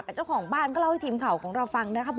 แต่เจ้าของบ้านก็เล่าให้ทีมข่าวของเราฟังนะคะ